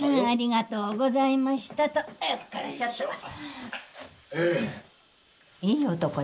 ありがとうございましたっと。